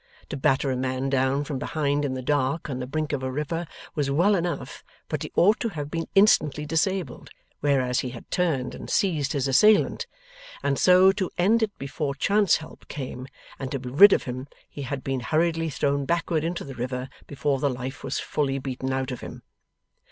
To batter a man down from behind in the dark, on the brink of a river, was well enough, but he ought to have been instantly disabled, whereas he had turned and seized his assailant; and so, to end it before chance help came, and to be rid of him, he had been hurriedly thrown backward into the river before the life was fully beaten out of him.